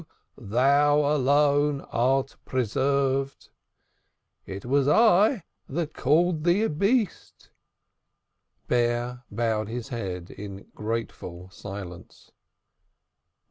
thou alone art preserved! It was I that called thee a beast." Bear bowed his head in grateful silence.